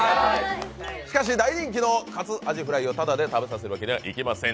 しかし、大人気の活あじふらいをタダで食べさせるわけにはいきません。